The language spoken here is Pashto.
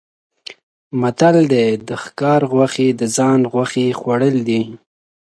متل دی: د ښکار غوښې د ځان غوښې خوړل دي.